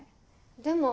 でも。